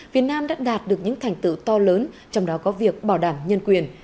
việt nam đã đạt được những thành tựu to lớn trong đó có việc bảo đảm nhân quyền